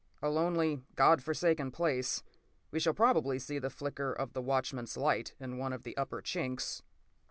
"A lonely, God forsaken place. We shall probably see the flicker of the watchman's light in one of the upper chinks."